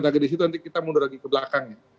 dari situ nanti kita mundur lagi ke belakang